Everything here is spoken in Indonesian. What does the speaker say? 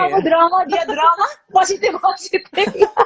kalau mau drama dia drama positif positif